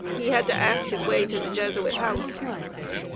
He had to ask his way to the Jesuit house.